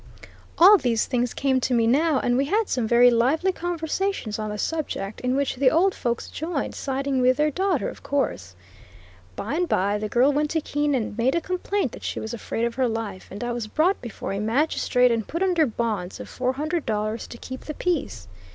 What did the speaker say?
All these things came to me now, and we had some very lively conversations on the subject, in which the old folks joined, siding with their daughter of course. By and by the girl went to Keene and made a complaint that she was afraid of her life, and I was brought before a magistrate and put under bonds of four hundred dollars to keep the peace.